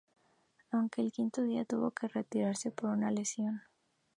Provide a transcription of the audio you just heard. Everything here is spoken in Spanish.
Aunque al quinto día tuvo que retirarse por una lesión.